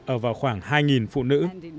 ở vào khoảng hai phụ nữ